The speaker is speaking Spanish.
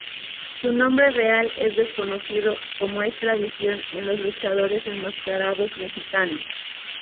Su nombre real es desconocido, como es tradición en los luchadores enmascarados mexicanos.